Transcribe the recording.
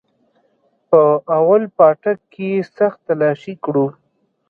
په اول پاټک کښې يې سخت تلاشي كړو.